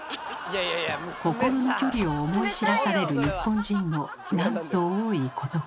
心の距離を思い知らされる日本人のなんと多いことか。